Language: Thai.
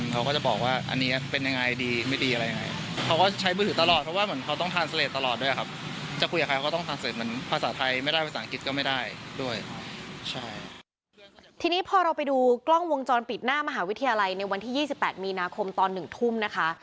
ทีนี้พอเราไปดูกล้องวงจรปิดหน้ามหาวิทยาลัยในวันที่๒๘มีนาคมตอน๑ทุ่มนะคะ